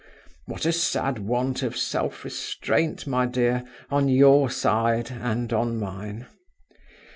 What a sad want of self restraint, my dear, on your side and on mine!